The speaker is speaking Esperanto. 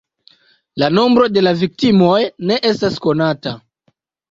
La nombro de la viktimoj ne estas konata.